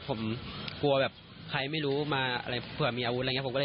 ผมกลัวแบบใครไม่รู้มาอะไรเผื่อมีอาวุธอะไรอย่างนี้